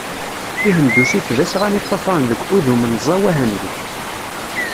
Tihendusit d asɣan i ṭṭafaren deg udu-menẓaw ahendi.